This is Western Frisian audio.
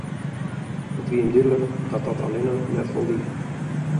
It wie him dúdlik dat dat allinne net foldie.